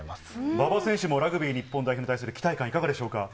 馬場選手もラグビー日本代表に対する期待感、いかがでしょうか？